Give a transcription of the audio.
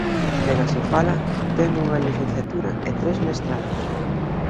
Quen así fala ten unha licenciatura e tres mestrados.